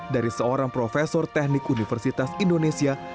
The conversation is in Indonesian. dari seorang profesor teknik universitas indonesia